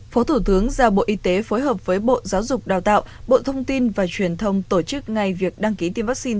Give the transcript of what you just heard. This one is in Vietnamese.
phó thủ tướng giao bộ y tế phối hợp với bộ giáo dục đào tạo bộ thông tin và truyền thông tổ chức ngay việc đăng ký tiêm vaccine